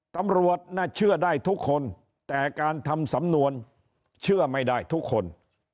ตำรวจน่าเชื่อได้ทุกคนแต่การทำสำนวนเชื่อไม่ได้ทุกคน